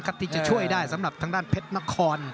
ที่จะช่วยได้สำหรับทางด้านเพชรนคร